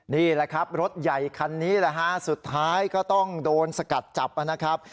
นี่แหละครับรถใหญ่คันนี้แหละฮะสุดท้ายก็ต้องโดนสกัดจับนะครับ